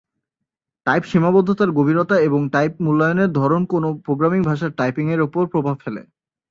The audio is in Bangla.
টাইপ সীমাবদ্ধতার গভীরতা এবং টাইপ মূল্যায়নের ধরন কোন প্রোগ্রামিং ভাষার "টাইপিং"-এর ওপর প্রভাব ফেলে।